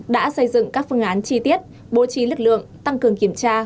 đã xây dựng các phương án chi tiết bố trí lực lượng tăng cường kiểm tra